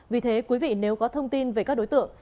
vì thế quý vị nếu có thông tin về các đối tượng